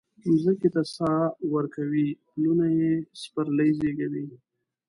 مځکې ته ساه ورکوي پلونه یي سپرلي زیږوي